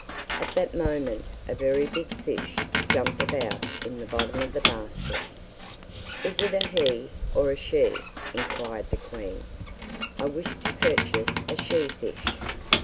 At that moment a very big fish jumped about in the bottom of the basket. "Is it a he or a she?" inquired the queen. "I wish to purchase a she fish."